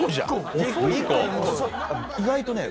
意外とね